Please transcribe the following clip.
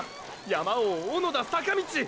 山王小野田坂道！！